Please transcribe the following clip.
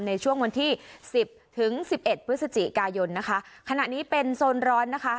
ในช่วงวันที่สิบถึงสิบเอ็ดพฤศจิกายนนะคะขณะนี้เป็นโซนร้อนนะคะ